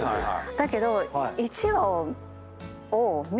だけど。